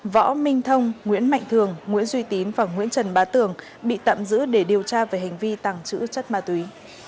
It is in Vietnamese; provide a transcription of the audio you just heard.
võ minh thông nguyễn mạnh thường nguyễn duy tín và nguyễn trần bá tường bị tạm giữ để điều tra về hành vi tàng trữ chất ma túy